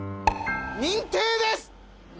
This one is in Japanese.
認定です。